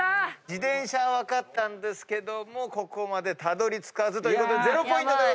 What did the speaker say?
自転車は分かったんですけどもここまでたどりつかずということで０ポイントです。